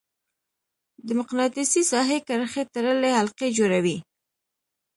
د مقناطیسي ساحې کرښې تړلې حلقې جوړوي.